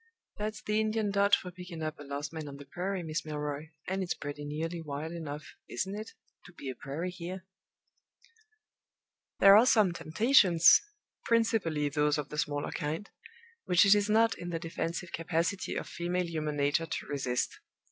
That's the Indian dodge for picking up a lost man on the prairie, Miss Milroy and it's pretty nearly wild enough (isn't it?) to be a prairie here!" There are some temptations principally those of the smaller kind which it is not in the defensive capacity of female human nature to resist.